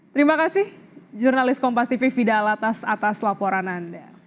terima kasih jurnalis kompas tv fidal atas laporan anda